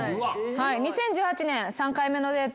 ２０１８年３回目のデート